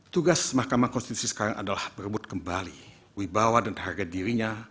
tugas mahkamah konstitusi sekarang adalah berebut kembali wibawa dan harga dirinya